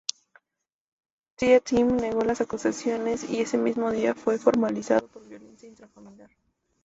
Tea-Time negó las acusaciones, y ese mismo día fue formalizado por violencia intrafamiliar.